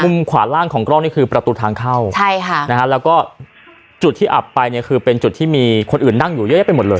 ขวาล่างของกล้องนี่คือประตูทางเข้าใช่ค่ะนะฮะแล้วก็จุดที่อับไปเนี่ยคือเป็นจุดที่มีคนอื่นนั่งอยู่เยอะแยะไปหมดเลย